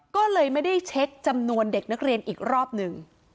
ก็เลยไม่ได้เช็คจำนวนเด็กนักเรียนอีกรอบหนึ่ง